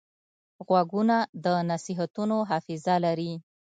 غوږونه د نصیحتونو حافظه لري